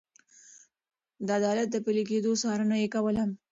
د عدالت د پلي کېدو څارنه يې کوله.